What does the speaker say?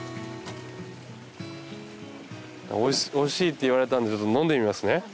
おいしいって言われたんでちょっと飲んでみますね。